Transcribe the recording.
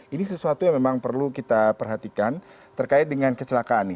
ini sesuatu yang memang perlu kita perhatikan terkait dengan kecelakaan ini